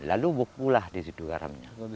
lalu bukulah di situ garamnya